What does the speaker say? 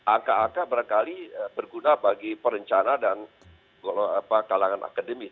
angka angka berkali berguna bagi perencana dan kalangan akademik